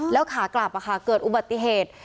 แล้วขากลับเกิดอุบัติเหตุ